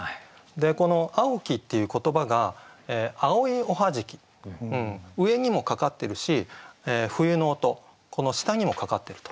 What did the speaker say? この「蒼き」っていう言葉が蒼いおはじき上にもかかってるし冬の音この下にもかかってると。